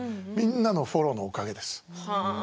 みんなのフォローのおかげです。